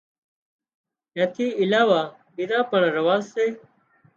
اين ٿِي علاوه ٻيزا پڻ رواز سي